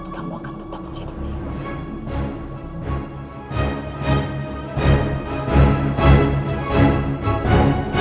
kamu akan tetap menjadi pilihanku sendiri